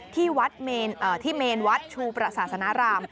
ที่เมนวัดชูประสาสนาราม